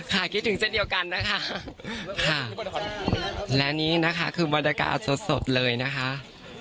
คิดถึงเช่นเดียวกันนะคะค่ะและนี่นะคะคือบรรยากาศสดเลยนะคะ